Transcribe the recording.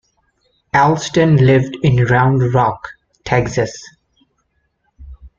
Allston lived in Round Rock, Texas.